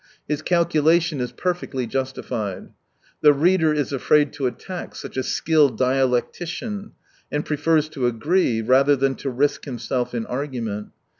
His calculation is perfectly justified. The reader is afraid to attack such a skilled dialectician, and prefers to agree rather than to risk himself in argument.